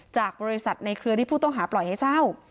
จากบริษัทในเครือที่ผู้ต้องหาปล่อยให้เช่า